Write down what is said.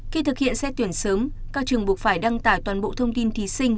khi thực hiện xét tuyển sớm các trường buộc phải đăng tải toàn bộ thông tin thí sinh